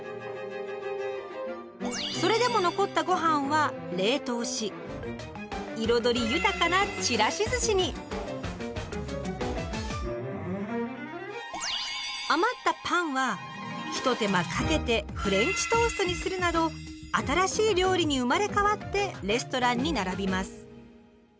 それでも残ったごはんは冷凍し彩り豊かなひと手間かけてフレンチトーストにするなど新しい料理に生まれ変わってレストランに並びます。